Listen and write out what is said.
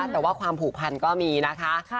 แต่ว่าความผูกพันก็มีนะคะ